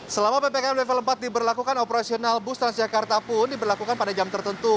selama ppkm level empat diberlakukan operasional bus transjakarta pun diberlakukan pada jam tertentu